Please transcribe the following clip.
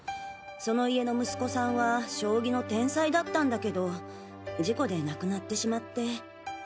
その家の息子さんは将棋の天才だったんだけど事故で亡くなってしまって。